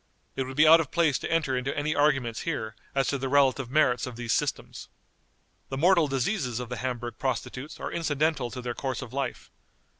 It would be out of place to enter into any arguments here as to the relative merits of these systems. The mortal diseases of the Hamburg prostitutes are incidental to their course of life.